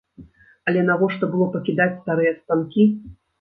Але навошта было пакідаць старыя станкі?